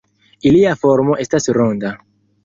Ilia formo estas ronda.